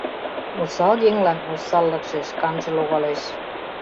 ОСАЛ ЕҤЛАН ОСАЛЛЫКШЕ ШКАНЖЕ ЛОГАЛЕШ